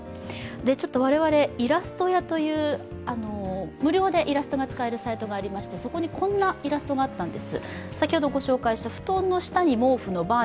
我々、いらすとやという無料でイラストが使えるサイトがありましてそこにこんなイラストがあったんです。